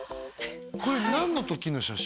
これ何のときの写真？